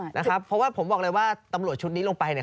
เพราะว่าผมบอกเลยว่าตำรวจชุดนี้ลงไปเนี่ย